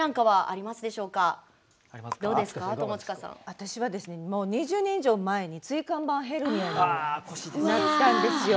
私はですねもう２０年以上前に椎間板ヘルニアになったんですよ。